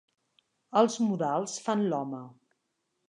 Els modals fan l'home.